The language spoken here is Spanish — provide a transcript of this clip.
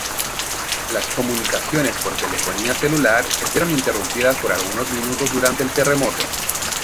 Las comunicaciones por telefonía celular estuvieron interrumpidas por algunos minutos durante el terremoto.